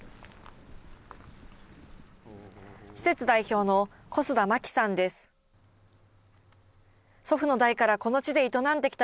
施設代表の小須田牧さんです。